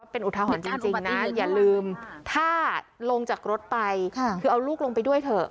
เป็นอุทหรณ์จริงนะอย่าลืมถ้าลงจากรถไปคือเอาลูกลงไปด้วยเถอะ